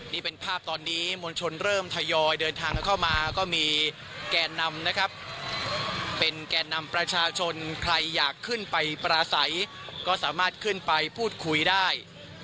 นี่เป็นภาพตอนนี้มวลชนเริ่มทยอยเดินทางกันเข้ามาก็มีแก่นำนะครับเป็นแก่นำประชาชนใครอยากขึ้นไปปราศัยก็สามารถขึ้นไปพูดคุยได้